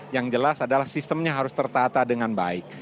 yang jelas adalah sistemnya harus tertata dengan baik